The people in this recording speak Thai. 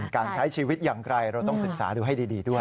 การใช้ชีวิตอย่างไกลเราต้องศึกษาดูให้ดีด้วย